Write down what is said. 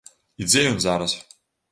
І дзе ён зараз?